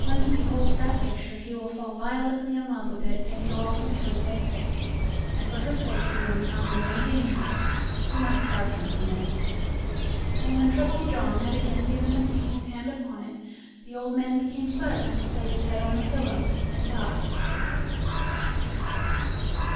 When he beholds that picture he will fall violently in love with it and go off into a dead faint, and for her sake he will encounter many dangers; you must guard him from this." And when Trusty John had again given the King his hand upon it the old man became silent, laid his head on the pillow, and died.